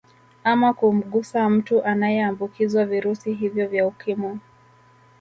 Ama kumgusa mtu aliyeambukizwa virusi hivyo vya ukimwi